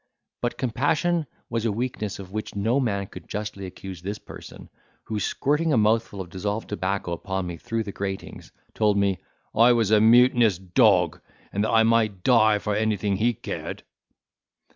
But compassion was a weakness of which no man could justly accuse this person, who, squirting a mouthful of dissolved tobacco upon me through the gratings, told me "I was a mutinous dog, and that I might die for anything he cared!"